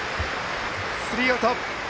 スリーアウト。